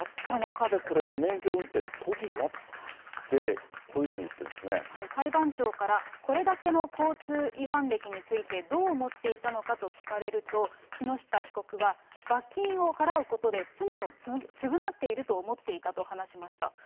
で、こういうふうに言ってるんで裁判長から、これだけの交通違反歴についてどう思っていたのかと聞かれると、木下被告は、罰金を払うことで、罪を償っていると思っていたと話しました。